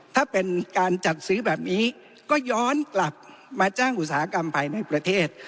ถ้าเป็นการจัดซื้อแบบนี้ก็ย้อนกลับมาจ้างอุตสาหกรรมภายในประเทศ